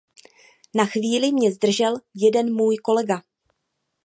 Na chvíli mě zdržel jeden můj kolega.